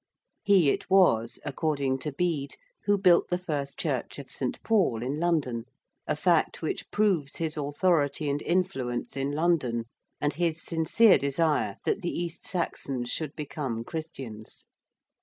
He it was, according to Bede, who built the first church of St. Paul in London, a fact which proves his authority and influence in London, and his sincere desire that the East Saxons should become Christians.